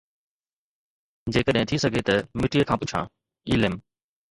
جيڪڏهن ٿي سگهي ته مٽيءَ کان پڇان، اي ليم